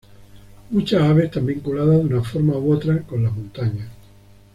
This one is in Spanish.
Muchas aves están vinculadas, de una forma u otra, con las montañas.